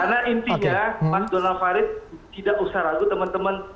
karena intinya mas donald farid tidak usah ragu teman teman